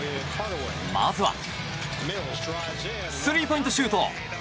まずはスリーポイントシュート！